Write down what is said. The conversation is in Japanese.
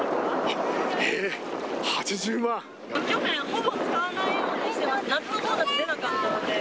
去年、ほぼ使わないようにしてたので、夏のボーナス出なかったので。